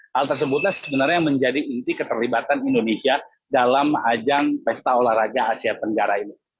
hal tersebutlah sebenarnya yang menjadi inti keterlibatan indonesia dalam ajang pesta olahraga asia tenggara ini